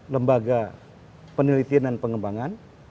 lembaga penelitian dan pengembangan